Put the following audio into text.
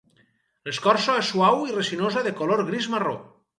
L'escorça és suau i resinosa de color gris-marró.